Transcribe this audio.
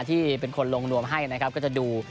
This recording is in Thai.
ที่เป็นคนลงนวมให้นะครับก็จะดู